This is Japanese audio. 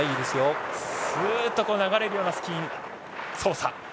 スッと流れるようなスキー操作